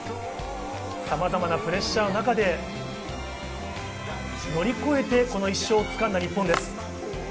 さまざまなプレッシャーの中、乗り越えての１勝をつかんだ日本です。